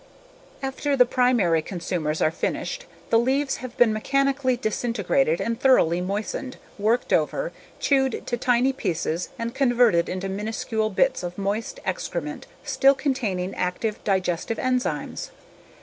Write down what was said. After the primary consumers are finished the leaves have been mechanically disintegrated and thoroughly moistened, worked over, chewed to tiny pieces and converted into minuscule bits of moist excrement still containing active digestive enzymes.